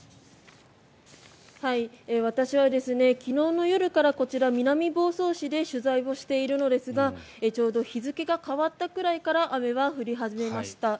私は昨日の夜からこちら南房総市で取材をしているのですがちょうど日付が変わったくらいから雨は降り始めました。